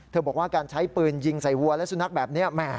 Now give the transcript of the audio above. บอกว่าการใช้ปืนยิงใส่วัวและสุนัขแบบนี้